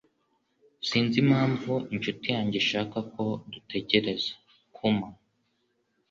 Sinzi impamvu inshuti yanjye ishaka ko dutegereza. (kuma)